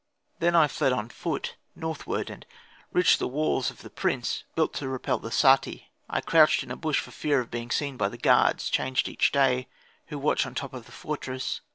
Then I fled on foot, northward, and reached the walls of the prince, built to repel the Sati. I crouched in a bush for fear of being seen by the guards, changed each day, who watch on the top of the fortress.